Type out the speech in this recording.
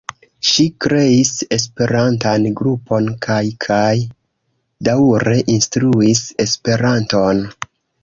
Ŝi kreis esperantan grupon kaj kaj daŭre instruis esperanton.